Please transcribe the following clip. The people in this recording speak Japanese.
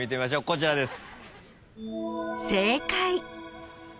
こちらです。